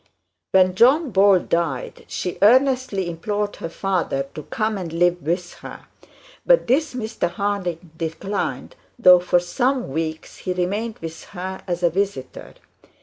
When John Bold died, she earnestly implored her father to come and live with her, but this Mr Harding declined, though for some weeks he remained with her as a visitor.